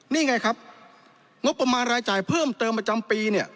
นี่ไงครับงบประมาณรายจ่ายเพิ่มเติมประจำปีเนี่ย